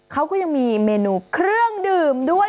เขาก็ยังมีเมนูเครื่องดื่มด้วย